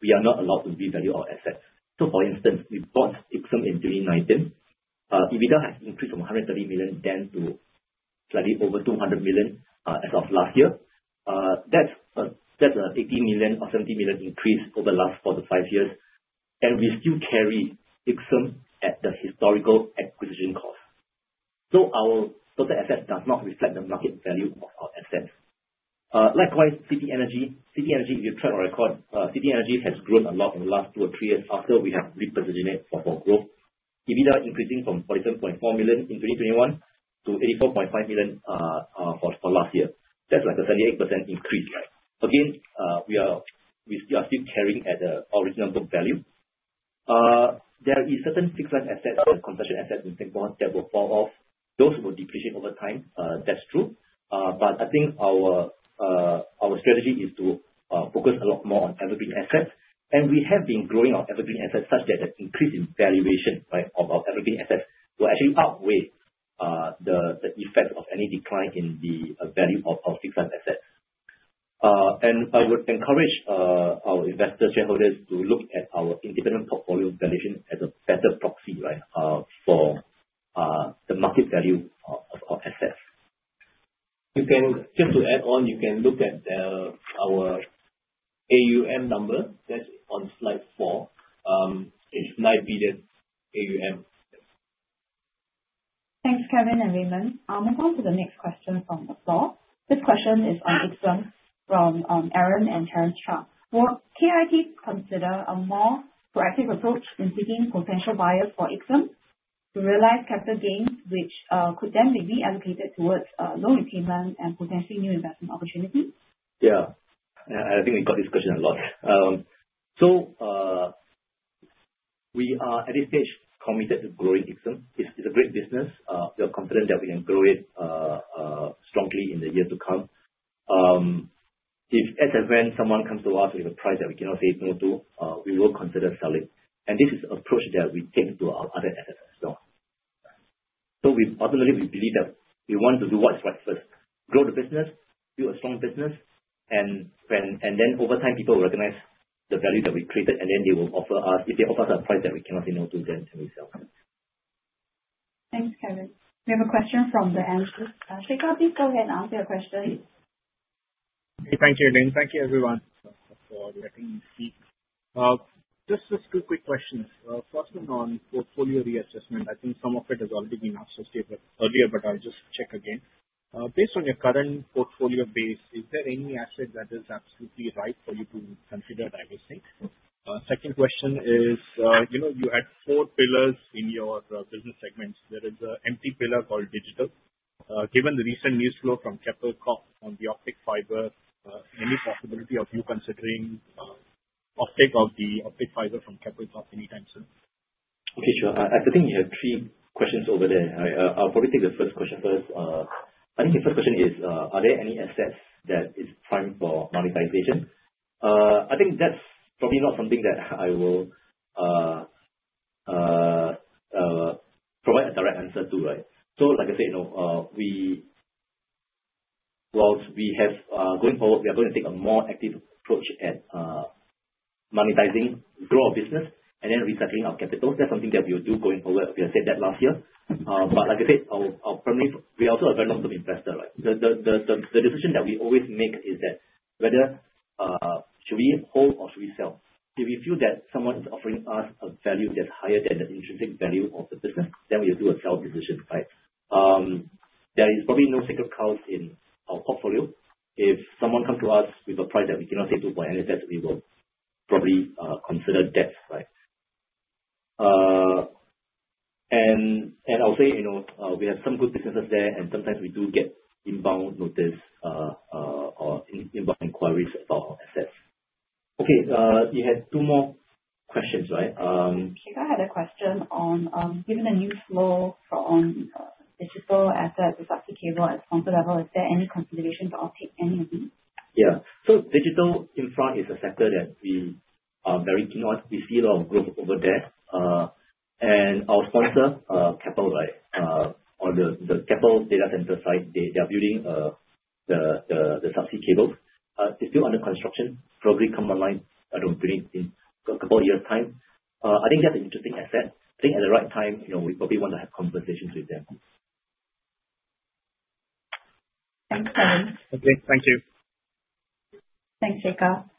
We are not allowed to revalue our assets. For instance, we bought Ixom in 2019. EBITDA has increased from 130 million then to slightly over 200 million as of last year. That's an 80 million or 70 million increase over the last four to five years, and we still carry Ixom at the historical acquisition cost. Our total assets does not reflect the market value of our assets. Likewise, City Energy. City Energy, if you track our record, City Energy has grown a lot in the last two or three years after we have repositioned it for growth. EBITDA increasing from 47.4 million in 2021 to 84.5 million for last year. That's like a 38% increase. Again, we are still carrying at the original book value. There is certain fixed line assets and concession assets in Singapore that will fall off. Those will depreciate over time. That's true. I think our strategy is to focus a lot more on evergreen assets, and we have been growing our evergreen assets such that an increase in valuation, right, of our evergreen assets will actually outweigh the effect of any decline in the value of our fixed line assets. I would encourage our investor shareholders to look at our independent portfolio valuation as a better proxy, right, for the market value of our assets. Just to add on, you can look at our AUM number. That's on slide four. It's 9 billion AUM. Thanks, Kevin and Raymond. I'll move on to the next question from the floor. This question is on Ixom from Aaron and Terence Chua. Will KIT consider a more proactive approach in seeking potential buyers for Ixom to realize capital gains, which could then be reallocated towards loan repayment and potentially new investment opportunities? Yeah. I think we got this question a lot. We are at this stage committed to growing Ixom. It's a great business. We are confident that we can grow it strongly in the years to come. If as and when someone comes to us with a price that we cannot say no to, we will consider selling. This is the approach that we take to our other assets as well. Ultimately, we believe that we want to do what is right first, grow the business, build a strong business, over time, people will recognize the value that we created, and then they will offer us If they offer us a price that we cannot say no to, then we sell. Thanks, Kevin. We have a question from the floor. Shekhar, please go ahead and ask your question. Thank you, Elaine. Thank you, everyone, for letting me speak. Just two quick questions. First one on portfolio reassessment. I think some of it has already been asked earlier, but I'll just check again. Based on your current portfolio base, is there any asset that is absolutely right for you to consider divesting? Second question is, you know, you had four pillars in your business segments. There is a empty pillar called digital. Given the recent news flow from Keppel Corp on the optic fiber, any possibility of you considering offtake of the optic fiber from Keppel Corp anytime soon? Okay, sure. I think you have three questions over there. I'll probably take the first question first. I think the first question is, are there any assets that is prime for monetization? I think that's probably not something that I will provide a direct answer to, right. Like I said, you know, whilst we have, going forward, we are going to take a more active approach at monetizing, grow our business and then resetting our capital. That's something that we will do going forward. We have said that last year. Like I said, we are also a very long-term investor, right. The decision that we always make is that should we hold or should we sell? If we feel that someone is offering us a value that's higher than the intrinsic value of the business, then we will do a sell decision, right? There is probably no sacred cows in our portfolio. If someone comes to us with a price that we cannot say no for any assets, we will probably consider that, right? I'll say, you know, we have some good businesses there, and sometimes we do get inbound notice, or inbound inquiries about our assets. Okay, we had two more questions, right? Wong Yew Kiang had a question on, given the new flow for on digital assets with subsea cable at sponsor level, is there any consideration to offtake any of these? Yeah. Digital infra is a sector that we are very keen on. We see a lot of growth over there. Our sponsor, Keppel, right, on the Keppel Data Centres side, they are building the subsea cable. It's still under construction. Probably come online, I don't believe in a couple of years' time. I think that's an interesting asset. I think at the right time, you know, we probably wanna have conversations with them. Thanks, Kevin. Okay. Thank you. Thanks, Yew Kiang.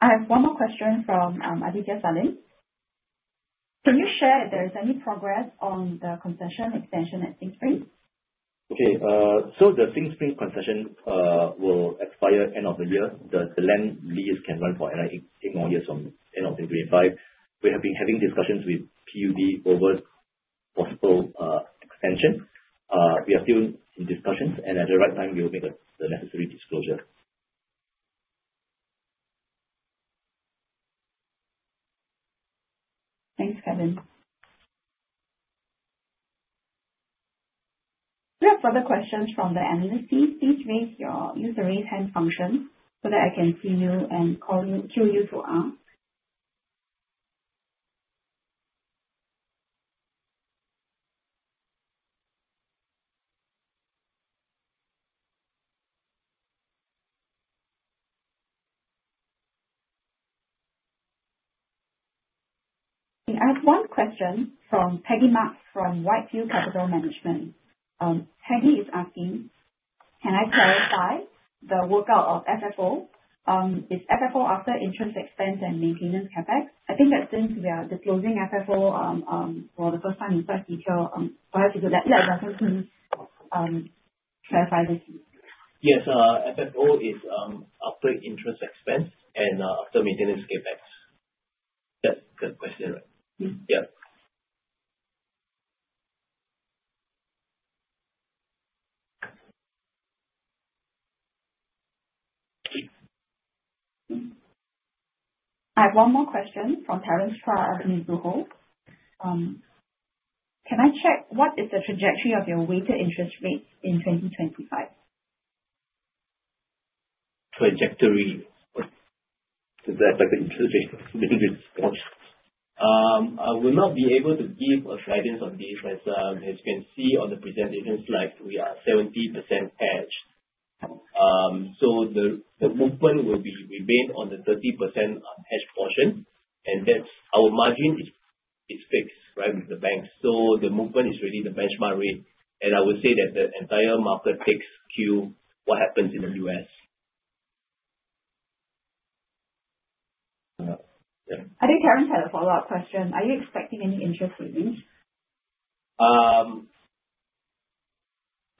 I have one more question from Aditya Salim. Can you share if there is any progress on the concession extension at SingSpring? The SingSpring concession will expire end of the year. The land lease can run for another eight more years from the end of 2025. We have been having discussions with PUB over possible extension. We are still in discussions, and at the right time, we'll make the necessary disclosure. Thanks, Kevin. If there are further questions from the analysts, please raise your use the raise hand function so that I can see you and call you, queue you to ask. We have one question from Peggy Mak, from Whitefield Capital Management. Peggy is asking, "Can I clarify the workout of FFO? Is FFO after interest expense and maintenance CapEx?" I think that since we are disclosing FFO for the first time in quite detail, for us to do that, yeah, definitely, clarify this. Yes. FFO is after interest expense and after maintenance CapEx. That's the question, right? Yeah. I have one more question from Terence Chua at UOB. Can I check what is the trajectory of your weighted interest rates in 2025? Trajectory. Is that like an interesting I will not be able to give a guidance on this as you can see on the presentation slide, we are 70% hedged. The movement will remain on the 30% unhedged portion, and that's our margin is fixed, right, with the bank. The movement is really the benchmark rate. I would say that the entire market takes cue what happens in the U.S. Yeah. I think Terence had a follow-up question. Are you expecting any interest savings?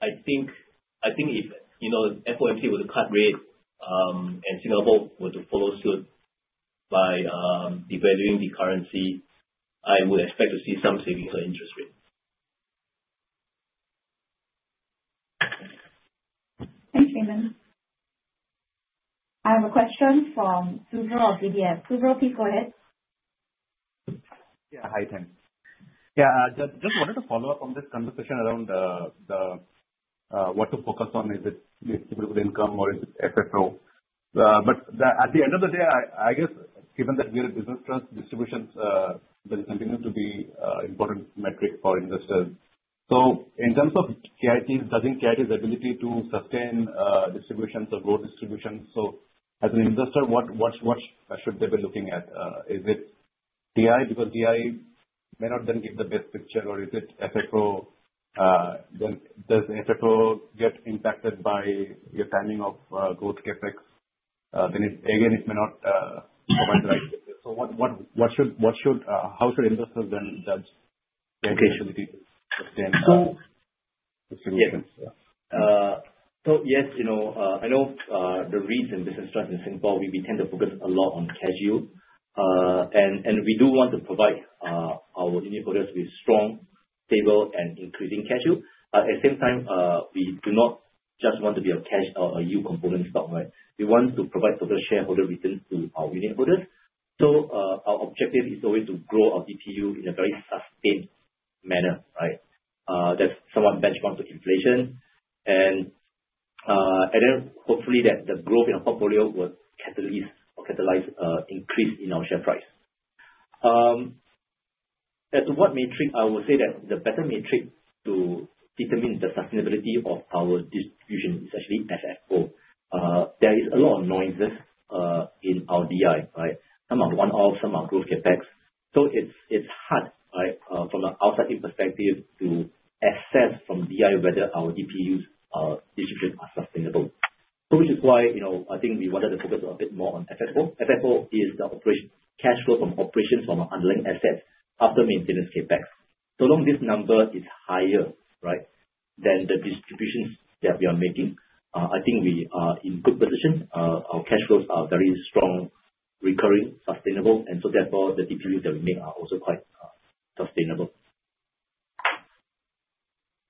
I think if, you know, FOMC were to cut rate, and Singapore were to follow suit by devaluing the currency, I would expect to see some savings on interest rate. Thanks, Raymond. I have a question from Suvro of DBS. Suvro, please go ahead. Hi, thanks. Just wanted to follow up on this conversation around the what to focus on. Is it distributable income or is it FFO? At the end of the day, I guess given that we are a business trust, distributions that continue to be important metric for investors. In terms of KIT, doesn't KIT's ability to sustain distributions or growth distributions? As an investor, what should they be looking at? Is it DI? Because DI may not then give the best picture or is it FFO? When does FFO get impacted by your timing of growth CapEx? It's, again, it may not provide the right picture. What should, how should investors then judge? Okay. the ability to sustain. So- -distributions? Yes, you know, I know, the REITs and business trust in Singapore, we tend to focus a lot on cash yield. We do want to provide our unitholders with strong, stable and increasing cash yield. At the same time, we do not just want to be a cash or a yield component stock, right? We want to provide total shareholder returns to our unitholders. Our objective is always to grow our DPU in a very sustained manner, right? That's somewhat benchmark to inflation and then hopefully that the growth in our portfolio will catalyst or catalyze increase in our share price. As to what metric, I would say that the better metric to determine the sustainability of our distribution is actually FFO. There is a lot of noises in our DI, right? Some are one-off, some are growth CapEx. It's hard, right, from an outside perspective to assess from DI whether our DPUs, distributions are sustainable. Which is why, you know, I think we wanted to focus a bit more on FFO. FFO is the cash flow from operations from our underlying assets after maintenance CapEx. Long this number is higher, right, than the distributions that we are making, I think we are in good position. Our cash flows are very strong, recurring, sustainable, therefore, the DPUs that we make are also quite sustainable.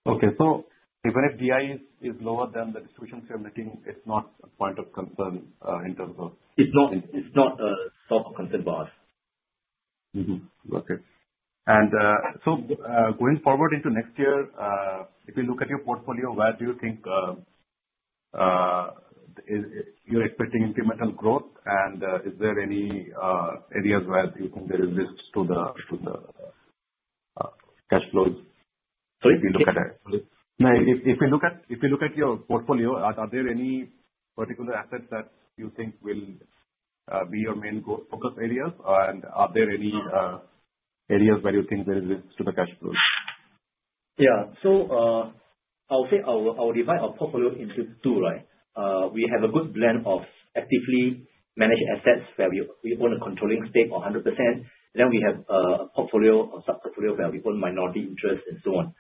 Okay. Even if DI is lower than the distributions you're making, it's not a point of concern in terms of. It's not a source of concern for us. Okay. Going forward into next year, if you look at your portfolio, where do you think you're expecting incremental growth and is there any areas where you think there is risk to the cash flows? Sorry? If you look at it. If you look at your portfolio, are there any particular assets that you think will be your main focus areas? Are there any areas where you think there is risk to the cash flows? I'll say our divide our portfolio into two, right? We have a good blend of actively managed assets where we own a controlling stake or 100%. We have a portfolio or sub-portfolio where we own minority interest and so on.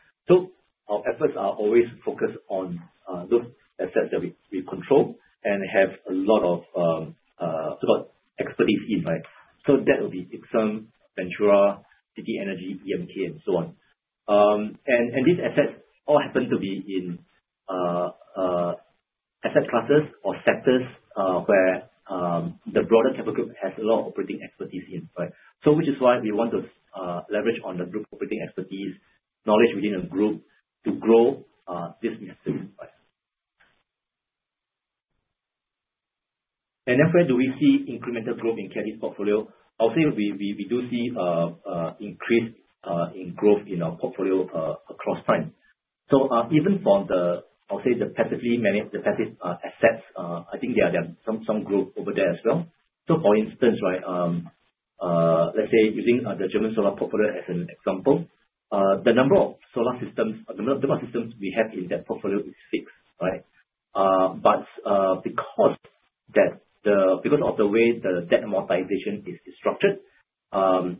Our efforts are always focused on those assets that we control and have a lot of sort of expertise in, right? That would be Ixom, Ventura, City Energy, EMK, and so on. These assets all happen to be in asset classes or sectors where the broader Keppel Group has a lot of operating expertise in, right? Which is why we want to leverage on the group operating expertise, knowledge within a group to grow this. Where do we see incremental growth in Keppel's portfolio? I'll say we do see increase in growth in our portfolio across time. Even from the, I'll say the passively managed, passive assets, I think there are some growth over there as well. For instance, right, let's say using the German Solar Portfolio as an example. The number of systems we have in that portfolio is fixed, right? Because of the way the debt amortization is structured,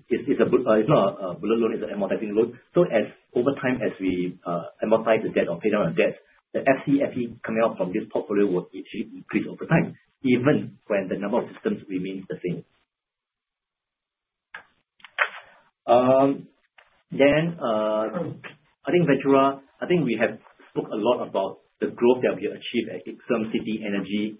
it's not a bullet loan, it's an amortizing loan. As over time, as we amortize the debt or pay down our debt, the FCFE coming out from this portfolio will actually increase over time, even when the number of systems remains the same. I think Ventura, I think we have spoke a lot about the growth that we have achieved at Ixom, City Energy,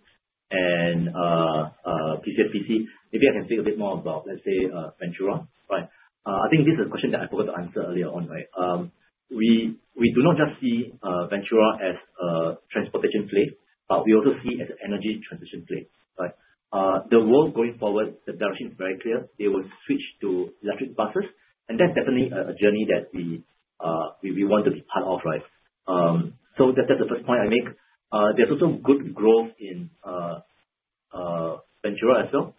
and PGPC. Maybe I can say a bit more about, let's say, Ventura, right? I think this is a question that I forgot to answer earlier on, right? We do not just see Ventura as a transportation play, but we also see as an energy transition play, right? The world going forward, the direction is very clear. They will switch to electric buses, and that's definitely a journey that we want to be part of, right? That's just the first point I make. There's also good growth in Ventura as well,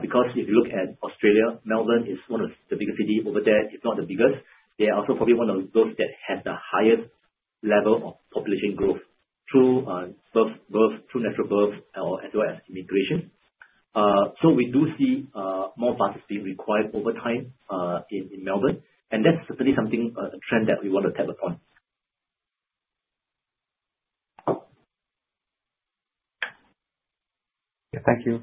because if you look at Australia, Melbourne is one of the biggest city over there, if not the biggest. They are also probably one of those that have the highest level of population growth through natural birth or as well as immigration. We do see more buses being required over time in Melbourne, and that's certainly something a trend that we want to tap upon. Thank you.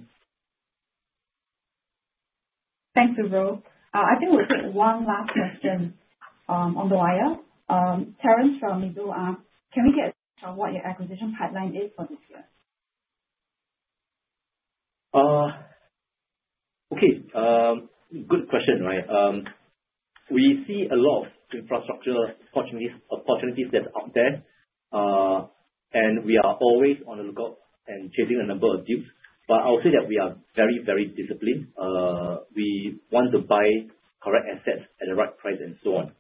Thanks, Suvro. I think we'll take one last question on the wire. Terence from Mizuho, can we get what your acquisition pipeline is for this year? Okay. Good question, right. We see a lot of infrastructure opportunities that are out there, and we are always on the lookout and chasing a number of deals. I'll say that we are very, very disciplined. We want to buy correct assets at the right price and so on.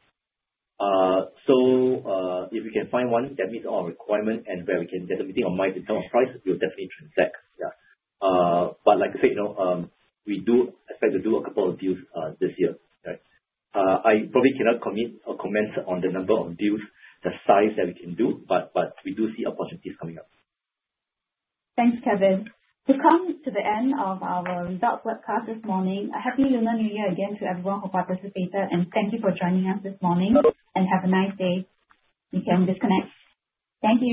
If we can find one that meets our requirement and where we can get a meeting of minds in terms of price, we'll definitely transact. Yeah. Like I said, you know, we do expect to do a couple of deals, this year. Right. I probably cannot commit or comment on the number of deals, the size that we can do, we do see opportunities coming up. Thanks, Kevin. We've come to the end of our results webcast this morning. A happy Lunar New Year again to everyone who participated, and thank you for joining us this morning. Have a nice day. You can disconnect. Thank you.